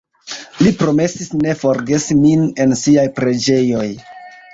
Li promesis ne forgesi min en siaj preĝoj.